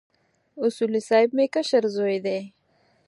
اصولي صیب مې کشر زوی دی.